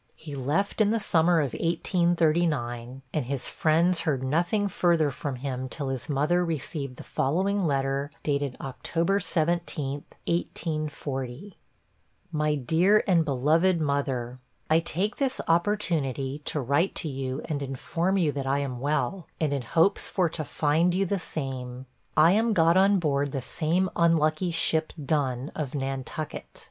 He left in the summer of 1839, and his friends heard nothing further from him till his mother received the following letter, dated 'October 17 1840'; MY DEAR AND BELOVED MOTHER: 'I take this opportunity to write to you and inform you that I am well, and in hopes for to find you the same. I am got on board the same unlucky ship Done, of Nantucket.